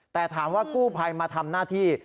แต่ถามว่ากู้ภัยมาทำหน้าที่